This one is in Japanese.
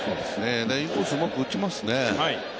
インコースうまく打ちますね。